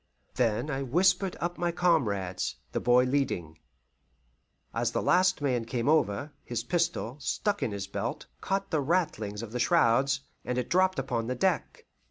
Then I whispered up my comrades, the boy leading. As the last man came over, his pistol, stuck in his belt, caught the ratlings of the shrouds, and it dropped upon the deck.